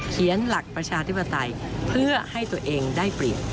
หลักประชาธิปไตยเพื่อให้ตัวเองได้เปรียบ